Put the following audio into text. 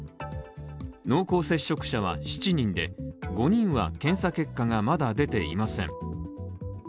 濃厚接触者は７人で５人は検査結果がまだ出ていません。